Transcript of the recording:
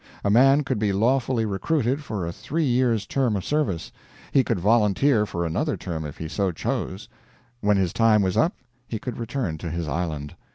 A man could be lawfully recruited for a three years term of service; he could volunteer for another term if he so chose; when his time was up he could return to his island.